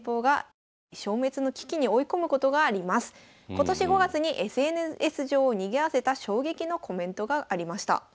今年５月にＳＮＳ上をにぎわせた衝撃のコメントがありました。